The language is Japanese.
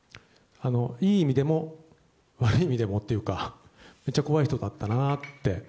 いい意味でも悪い意味でもっていうか、めっちゃ怖い人だったなって。